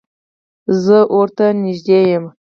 زه اور ته نږدې یم